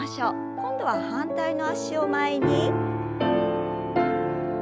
今度は反対の脚を前に。